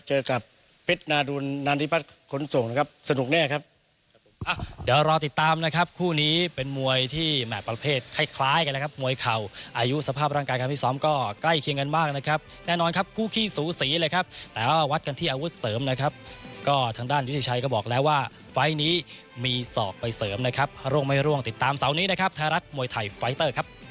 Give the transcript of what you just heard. เจอกับเวรเผ็ดนารุวนานทิพัทธ์ขนส่งสนุกแน่